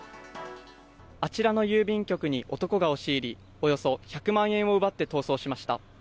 あちらの郵便局に男が押し入り、およそ１００万円を奪って逃走しました。